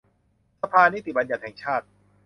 สภานิติบัญญัติแห่งชาติ